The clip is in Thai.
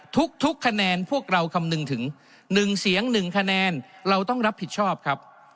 ทุกคะแนนพวกเราคำนึงถึง๑เสียง๑คะแนนเราต้องรับผิดชอบครับ